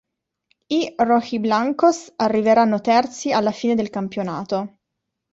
I "rojiblancos" arriveranno terzi alla fine del campionato.